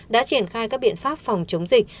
đã triển khai các biện pháp phòng chống dịch